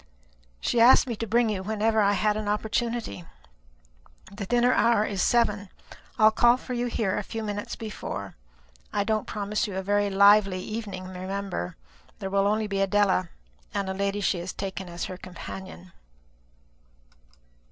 She asked me to bring you whenever I had an opportunity. The dinner hour is seven. I'll call for you here a few minutes before. I don't promise you a very lively evening, remember. There will only be Adela, and a lady she has taken as her companion."